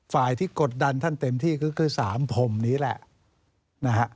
ฝ่ายที่กดดันท่านเต็มที่ก็คือสามผมนี้แหละนะฮะ